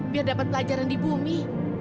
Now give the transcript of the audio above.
biar dapat pelajaran di bumi